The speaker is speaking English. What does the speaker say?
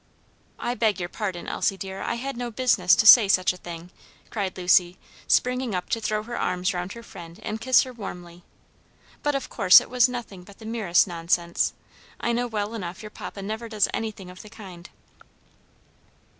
"I beg your pardon, Elsie, dear, I had no business to say such a thing," cried Lucy, springing up to throw her arms round her friend and kiss her warmly; "but of course it was nothing but the merest nonsense. I know well enough your papa never does anything of the kind."